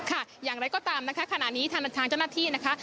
อย่างไรก็ตามนะคะขณะนี้ทางเจ้าหน้าที่นะคะ